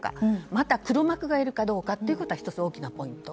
また、黒幕がいるかどうかは１つ、大きなポイント。